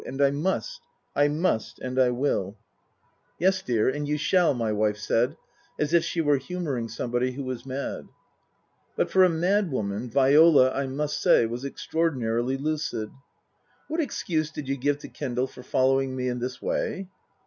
And I must I must and I will." 246 Tasker Jevons " Yes, dear, and you shall," my wife said, as if she were humouring somebody who was mad. But for a mad woman Viola, I must say, was extra ordinarily lucid. " What excuse did you give to Kendal for following me in this way